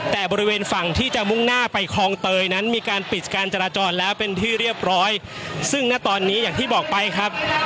แต่บริเวณฝั่งที่จะมุ่งหน้าไปคลองเตยนั้นมีการปิดการจราจรแล้วเป็นที่เรียบร้อยซึ่งณตอนนี้อย่างที่บอกไปครับ